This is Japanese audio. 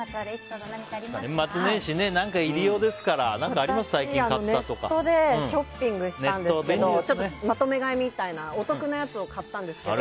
私はネットでショッピングをしたんですけどまとめ買いみたいなお得なやつを買ったんですけど。